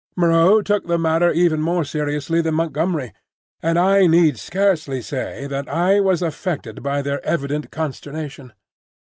Moreau took the matter even more seriously than Montgomery, and I need scarcely say that I was affected by their evident consternation.